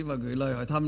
và gửi lời hỏi thăm